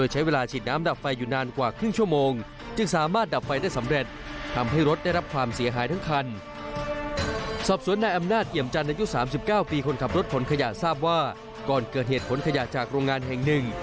หลังจากขนขยะทราบว่าก่อนเกิดเหตุขนขยะจากโรงงานแห่งหนึ่ง